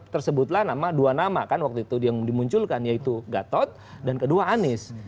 tersebutlah dua nama kan waktu itu yang dimunculkan yaitu gatot dan kedua anies